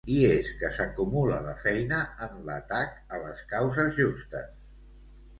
I es que s'acumula la feina en l'atac a les causes justes.